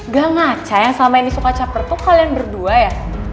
gak ngaca yang selama ini suka capper tuh kalian berdua ya